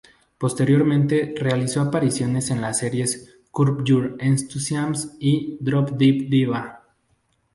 Posteriormente realizó apariciones en las series "Curb Your Enthusiasm" y "Drop Dead Diva".